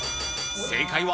正解は。